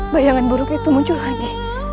bayangan buruk itu muncul lagi